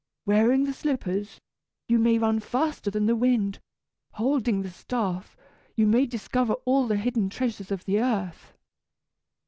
Wearing the slippers, you may run faster than the wind; holding the staff, you may discover all the hidden treasures of the earth."